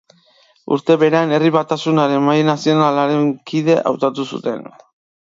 Urte berean Herri Batasunaren mahai nazionalaren kide hautatu zuten.